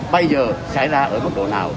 bây giờ xảy ra ở mức độ nào